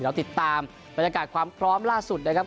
เดี๋ยวติดตามบรรยากาศความพร้อมล่าสุดนะครับ